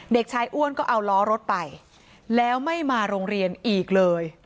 เด็กชายอ้วนก็เอาล้อรถไปแล้วไม่มาโรงเรียนอีกเลย